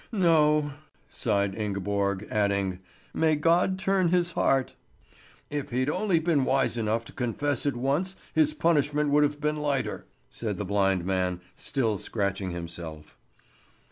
"No!" sighed Ingeborg, adding: "May God turn his heart!" "If he'd only been wise enough to confess at once his punishment would have been lighter," said the blind man, still scratching himself.